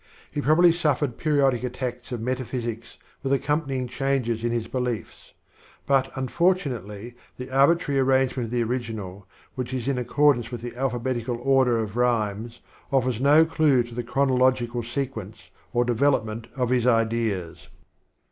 He probably suffered periodic attacks of metaphysics with accompanying changes in his beliefs ; but unfortunately the arbi trary arrangement of the original, which is in accordance with the alphabetical order of rhymes, offers no clue to the chronological sequence or development of his ideas.